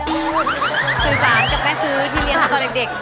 คนตามจะแก่ซื้อที่เรียงมาตอนเด็ก